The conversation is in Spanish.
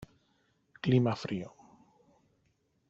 Clima frío.